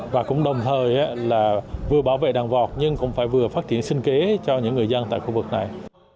và cũng đồng thời là vừa bảo vệ đàn vọt nhưng cũng phải vừa phát triển sinh kế cho những người dân tại khu vực này